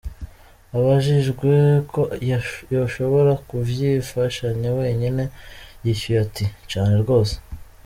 Abajijwe ko yoshobora kuvyifashanya wenyene, yishuye ati: "Cane rwose.